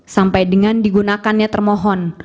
sampai dengan digunakannya termohon